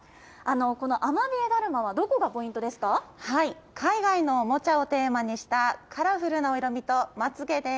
このアマビエだるまはどこがポイ海外のおもちゃをテーマにしたカラフルな色味と、まつ毛です。